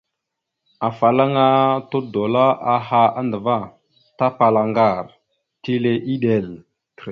Afalaŋana tudola aha andəva, tapala aŋgar, tile eɗek.